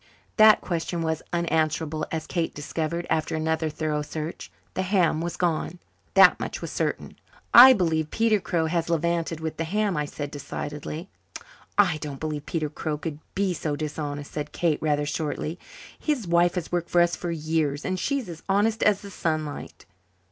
That question was unanswerable, as Kate discovered after another thorough search. The ham was gone that much was certain. "I believe Peter Crow has levanted with the ham," I said decidedly. "I don't believe Peter Crow could be so dishonest," said Kate rather shortly. "His wife has worked for us for years, and she's as honest as the sunlight."